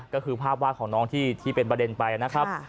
ก็คือภาพวาดของน้องที่เป็นประเด็นไปนะครับ